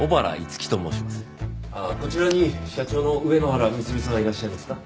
こちらに社長の上野原美鶴さんはいらっしゃいますか？